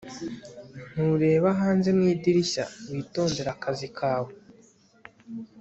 ntureba hanze mu idirishya. witondere akazi kawe